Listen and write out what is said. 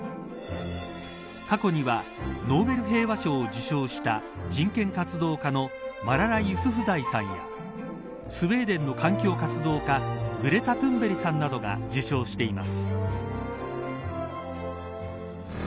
過去にはノーベル平和賞を受賞した人権活動家のマララ・ユスフザイさんやスウェーデンの環境活動家グレタ・トゥンベリさんなどが受賞しています。